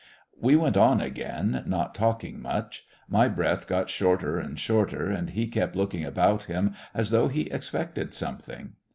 We went on again, not talking much; my breath got shorter and shorter, and he kept looking about him as though he expected something.